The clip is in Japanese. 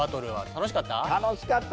楽しかった？